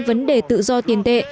vấn đề tự do tiền tệ